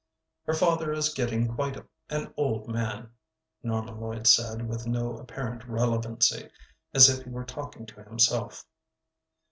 "Her father is getting quite an old man," Norman Lloyd said, with no apparent relevancy, as if he were talking to himself.